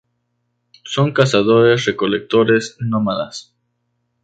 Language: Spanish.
Son cazadores-recolectores nómadas.